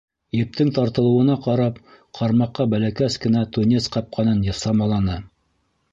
Ептең тартылыуына ҡарап, ҡармаҡҡа бәләкәс кенә тунец ҡапҡанын самаланы.